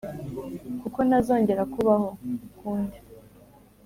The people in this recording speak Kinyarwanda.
kuko ntazongera kubaho ukundi.